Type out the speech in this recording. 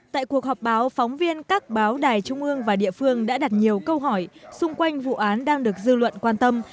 tại cuộc họp báo phóng viên các báo đài trung ương và địa phương đã đặt nhiều câu hỏi xung quanh vụ án đang được dư luận quan tâm